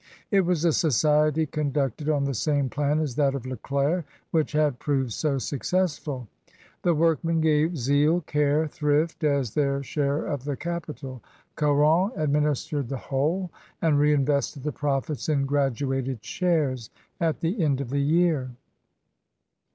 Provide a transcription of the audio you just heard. It was a society conducted on the same plan as that of Leclair, which had proved so successful. The workmen gave zeal, care, thrift, as their share of the capital; Caron ad ministered the whole, and re invested the profits in graduated shares at the end of the year. ONE OLD nOEND TO ANOTHER.